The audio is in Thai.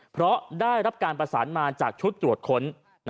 เพราะได้รับการประสานมาจากชุดตรวจค้น